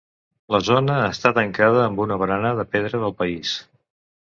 La zona està tancada amb una barana de pedra del país.